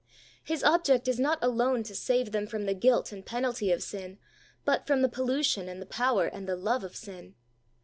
His object AN UNDIVIDED HEART. 93 is not alone to save them from the guilt and penalty of sin, but from the pollution and the power and the love of sin.